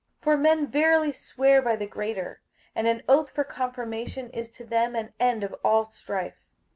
58:006:016 For men verily swear by the greater: and an oath for confirmation is to them an end of all strife.